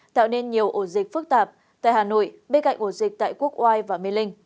tạo nên nhiều ổ dịch phức tạp tại hà nội bên cạnh ổ dịch tại quốc oai và mê linh